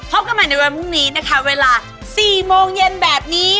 พบกันใหม่ในวันพรุ่งนี้นะคะเวลา๔โมงเย็นแบบนี้